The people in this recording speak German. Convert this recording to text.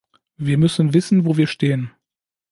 Wir müssen wissen, wo wir stehen.